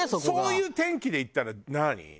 そういう転機でいったら何？